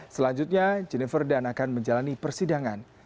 selanjutnya jennifer dunn akan menjalani persidangan